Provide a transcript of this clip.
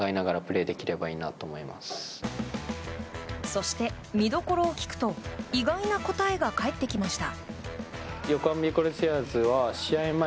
そして見どころを聞くと意外な答えが返ってきました。